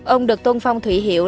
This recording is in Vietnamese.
ông được tôn phong thủy hiệu